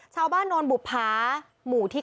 ชาวบ้านนวลบุภาหมู่ที่๙